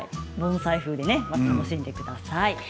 盆栽風で楽しんでください。